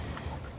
cepat lepaskan aku